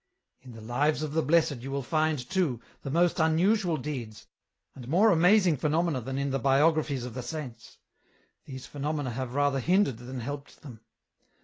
" In the lives of the Blessed you will find, too, the most unusual deeds, and more amazing phenomena than in the biographies of the Saints. These phenomena have rather hindered than helped them.